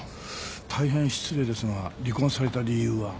大変失礼ですが離婚された理由は？